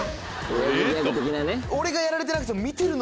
俺がやられてなくても。